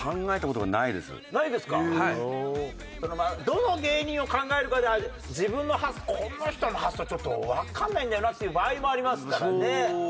どの芸人を考えるかで自分のこの人の発想ちょっとわかんないんだよなっていう場合もありますからね。